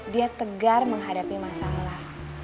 dia tegar menghadapi masalah